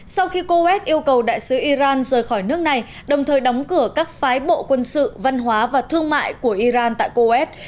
sau khi coet yêu cầu đại sứ iran rời khỏi nước này đồng thời đóng cửa các phái bộ quân sự văn hóa và thương mại của iran tại coes